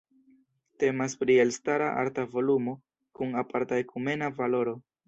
Temas pri elstara arta volumo kun aparta ekumena valoro.